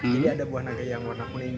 jadi ada buah naga yang warna kuning